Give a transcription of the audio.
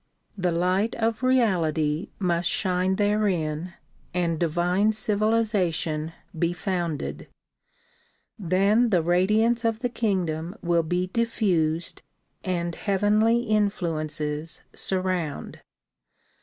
The light of reality must shine therein and divine civilization be founded; then the radiance of the kingdom will be diffused and heavenly influences surround.